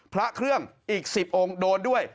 พระเครื่องอีก๑๐องค์โดนด้วย